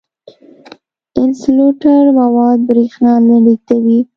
انسولټر مواد برېښنا نه لیږدوي.